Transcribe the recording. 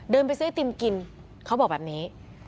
เดินไปซื้อไอติมกินเขาบอกแบบนี้